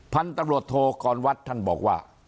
พันธุ์ตรวจโทษกรณวัฒน์ท่านบอกว่า